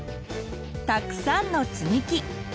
たくさんのつみき。